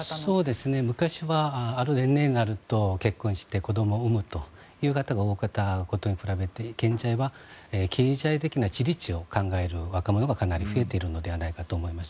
昔は、ある年齢になると結婚して子供を産む方が多かったことに比べて、現在は経済的な自立を考える若者がかなり増えているのではないかと思います。